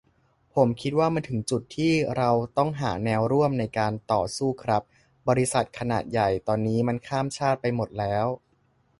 ผมคิดว่ามันถึงจุดที่ เราต้องหาแนวร่วมในการต่อสู้ครับ บริษัทขนาดใหญ่ตอนนี้มันข้ามชาติไปหมดแล้ว